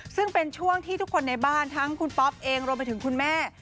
ซึ่งเป็นช่วงที่ทุกคนในบ้านทั้งคุณป๊อปเองรวมไปถึงคุณแม่